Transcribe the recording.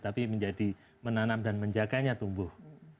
tapi menjadi menanam dan menjaganya tumbuh